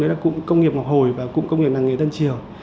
đó là cụm công nghiệp ngọc hồi và cụm công nghiệp làng nghề tân triều